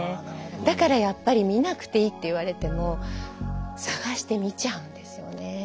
だからやっぱり見なくていいって言われても探して見ちゃうんですよね。